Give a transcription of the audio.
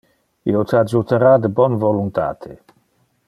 Io te adjutara de bon voluntate.